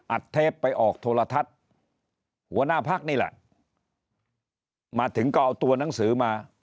เทปไปออกโทรทัศน์หัวหน้าพักนี่แหละมาถึงก็เอาตัวหนังสือมา